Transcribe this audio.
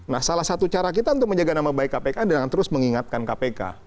nah salah satu cara kita untuk menjaga nama baik kpk adalah terus mengingatkan kpk